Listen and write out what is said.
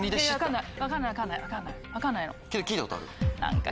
分かんない。